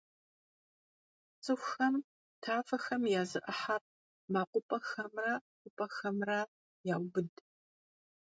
Ts'ıxuxem tafexem ya zı 'ıher mekhup'exemre xhup'exemre yaubıd.